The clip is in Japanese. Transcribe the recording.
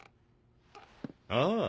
ああ。